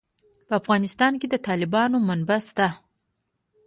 په افغانستان کې د تالابونه منابع شته.